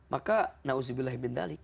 maka nauzubillah bint ali